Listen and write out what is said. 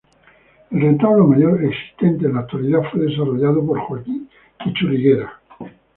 El retablo mayor existente en la actualidad fue desarrollado por Joaquín de Churriguera.